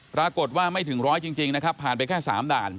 ปรากฏว่าไม่ถึงร้อยจริงนะครับผ่านไปแค่๓ด่าน